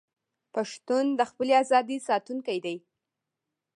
پښتون د خپلې ازادۍ ساتونکی دی.